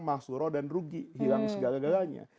mahsuro dan rugi hilang segala galanya